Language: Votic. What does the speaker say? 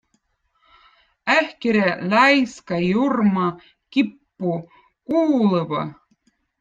ahkõra, laiskõ, jurmõ, kippu, kuuluvõ